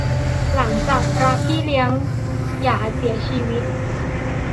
หลังจากพระพี่เลี้ยงหยาเสียชีวิต